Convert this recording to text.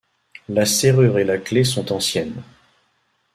La serrure et la clé sont anciennes.